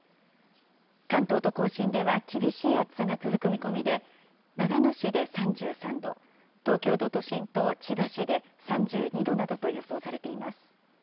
関東と甲信では厳しい暑さが続く見込みで、長野市で３３度、東京都心と千葉市で３２度などと予想されています。